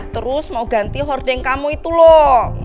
terus mau ganti hording kamu itu loh